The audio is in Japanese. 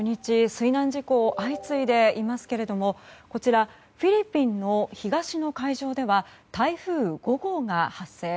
水難事故が相次いでいますがフィリピンの東の海上では台風５号が発生。